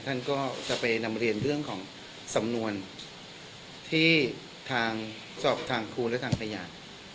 ท่านก็จะไปนำเรียนเรื่องของสำนวนที่ทางสอบทางครูและทางพยาน